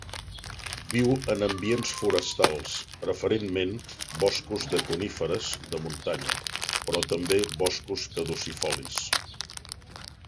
Viu en ambients forestals, preferentment boscos de coníferes de muntanya, però també boscos caducifolis.